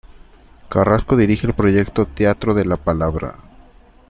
Carrasco dirige el proyecto Teatro de la Palabra.